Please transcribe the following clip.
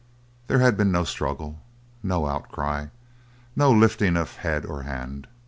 There had been no struggle, no outcry, no lifting of head or hand.